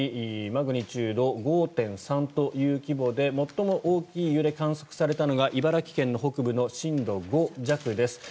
マグニチュード５．３という規模で最も大きい揺れが観測されたのは茨城県北部の震度５弱です。